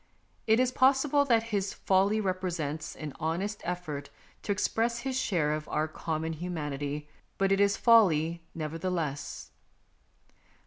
It is possible that his folly represents an honest effort to express his share of our common humanity, but it is folly nevertheless.